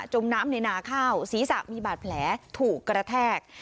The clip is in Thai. มน้ำในนาข้าวศีรษะมีบาดแผลถูกกระแทก